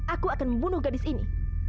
aku akan membunuh gadis ini